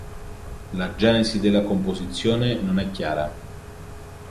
La genesi della composizione non è chiara.